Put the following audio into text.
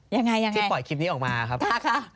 ยังไงที่ปล่อยคลิปนี้ออกมาครับครับค่ะ